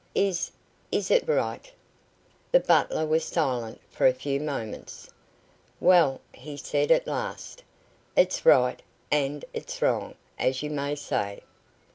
"Is is it right?" The butler was silent for a few moments. "Well," he said at last, "it's right, and its wrong, as you may say.